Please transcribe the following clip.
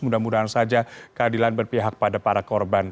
mudah mudahan saja keadilan berpihak pada para korban